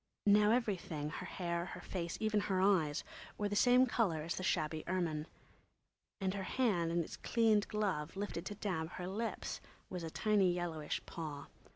Now everything, her hair, her face, even her eyes, was the same colour as the shabby ermine, and her hand, in its cleaned glove, lifted to dab her lips, was a tiny yellowish paw.